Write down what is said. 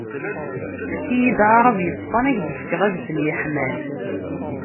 Fki-yid aɛrab yeṣfan, ad ak-fkeɣ adfel yeḥman.